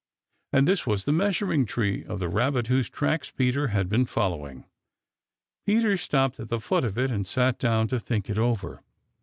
And this was the measuring tree of the Rabbit whose tracks Peter had been following. Peter stopped at the foot of it and sat down to think it over.